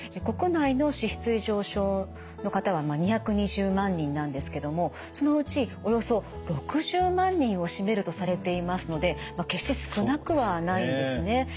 国内の脂質異常症の方は２２０万人なんですけどもそのうちおよそ６０万人を占めるとされていますので決して少なくはないんですね。